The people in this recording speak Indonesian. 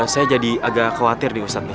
saya jadi agak khawatir nih ustadz